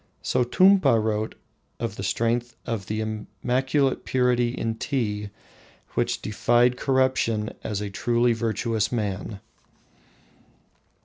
Sotumpa wrote of the strength of the immaculate purity in tea which defied corruption as a truly virtuous man.